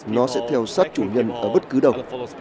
nó sẽ theo sát chủ nhân ở bất cứ đâu